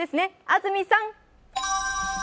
安住さん。